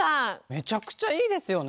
めちゃくちゃいいですよね。